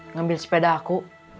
ngambil sepeda aku